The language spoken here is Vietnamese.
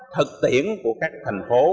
thực tiễn của các thành phố